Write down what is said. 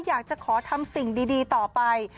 อยากจะขอทำสิ่งดีต่อไป